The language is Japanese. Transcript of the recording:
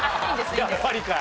やっぱりかい。